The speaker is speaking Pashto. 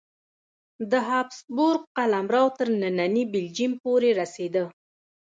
د هابسبورګ قلمرو تر ننني بلجیم پورې رسېده.